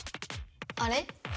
あれ？